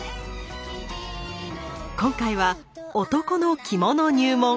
今回は「男の着物入門」。